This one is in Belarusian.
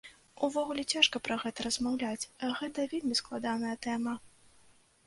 Увогуле, цяжка пра гэта размаўляць, гэта вельмі складаная тэма.